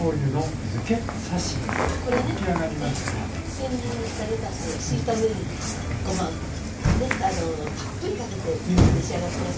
せん切りにしたレタスを敷いた上にごまねたっぷりかけて召し上がって下さい。